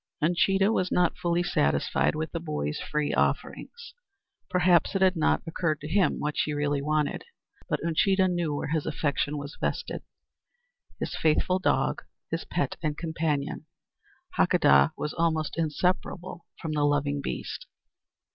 Uncheedah was not fully satisfied with the boy's free offerings. Perhaps it had not occurred to him what she really wanted. But Uncheedah knew where his affection was vested. His faithful dog, his pet and companion Hakadah was almost inseparable from the loving beast.